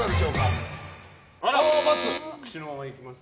串のままいきます？